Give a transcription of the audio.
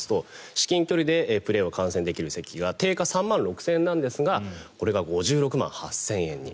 至近距離でプレーを観戦できる席が定価３万６０００円なんですがこれが５６万８０００円に。